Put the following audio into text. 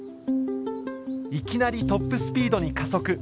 いきなりトップスピードに加速。